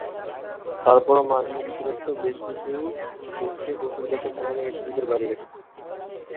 তারপরও মার্কিন যুক্তরাষ্ট্র বেশকিছু দেশকে কৌশলগত কারণে এ সুবিধার বাইরে রেখেছে।